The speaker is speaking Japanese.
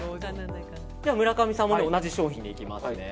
村上さんも同じ商品でいきますね。